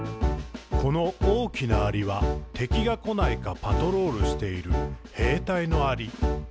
「この大きなアリは、敵がこないか、パトロールしている兵隊のアリ。」